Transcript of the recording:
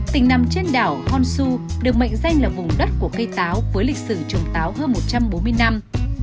tỉnh nằm trên đảo honshu được mệnh danh là vùng đất của cây táo với lịch sử trồng táo hơn một trăm bốn mươi năm